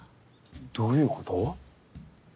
どういうこと？